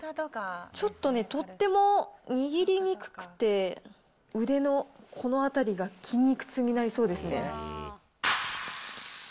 ちょっとね、とっても握りにくくて、腕のこの辺りが筋肉痛になりそうですね。